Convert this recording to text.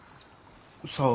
さあ？